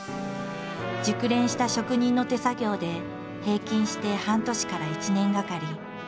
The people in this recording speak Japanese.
熟練した職人の手作業で平均して半年から１年がかり。